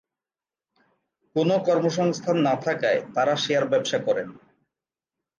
কোনো কর্মসংস্থান না থাকায় তারা শেয়ার ব্যবসা করেন।